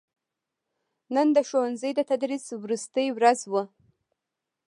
نن دښوونځي دتدریس وروستې ورځ وه